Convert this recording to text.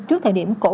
trước thời điểm cổ phi